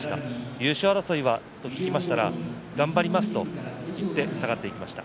優勝争いは？と聞きましたら頑張りますと言って下がっていきました。